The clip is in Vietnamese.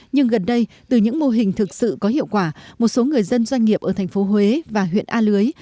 nhưng gần đây từ những mô hình thực sự có hiệu quả một số người dân doanh nghiệp ở thành phố huế và huyện a lưới